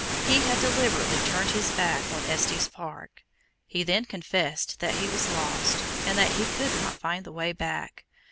He had deliberately turned his back on Estes Park. He then confessed that he was lost, and that he could not find the way back.